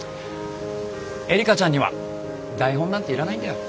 えりかちゃんには台本なんて要らないんだよ。